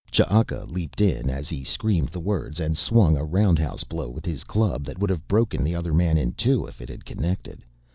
Ch'aka leaped in as he screamed the words and swung a roundhouse blow with his club that would have broken the other man in two if it had connected.